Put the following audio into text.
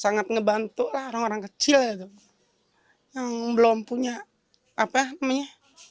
sangat membantu orang orang kecil yang belum punya apa namanya